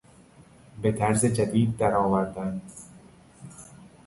به طرز جدید در آوردن